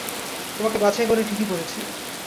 তোমাকে বাছাই করে ঠিকই করেছি।